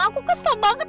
aku kesel banget